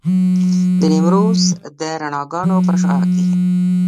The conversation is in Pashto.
د نیمروز د رڼاګانو په شعاع کې.